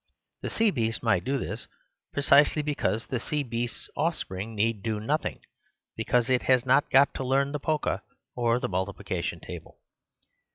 The sea beast might do this, precisely be cause the sea beast's offspring need do noth ing; because it has not got to learn the polka or the multiplication table.